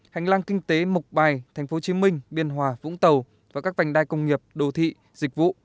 hành lang kinh tế mộc bài tp hcm biên hòa vũng tàu và các vành đai công nghiệp đô thị dịch vụ